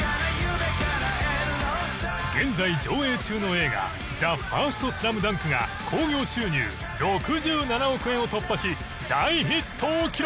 現在上映中の映画『ＴＨＥＦＩＲＳＴＳＬＡＭＤＵＮＫ』が興行収入６７億円を突破し大ヒットを記録！